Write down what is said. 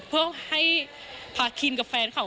เพื่อให้พาคินกับแฟนเขา